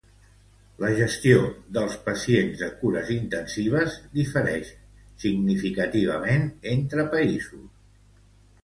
La gestió dels pacients de cures intensives diferix significativament entre països.